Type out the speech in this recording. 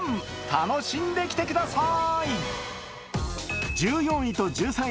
楽しんできてください。